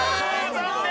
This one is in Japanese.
残念！